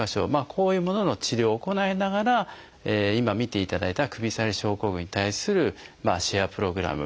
こういうものの治療を行いながら今見ていただいた首下がり症候群に対するシェアプログラム